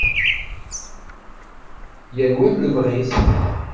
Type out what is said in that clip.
Yal wa d lebɣi-s.